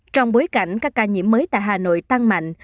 trong bối cảnh các ca nhiễm mới tại hà nội tăng mạnh